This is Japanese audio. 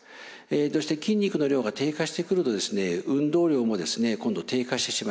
そして筋肉の量が低下してくると運動量も今度低下してしまいます。